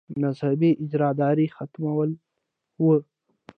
مذهبي اجاراداري ختمول وو.